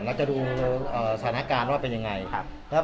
เราจะดูสถานการณ์ว่าเป็นยังไง